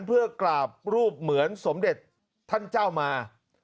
เพื่อกราบรูปเหมือนสมเด็จท่านเจ้ามา